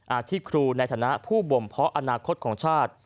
ที่ครูในฐานะผู้บ่มเพาะอนาคตของชาติ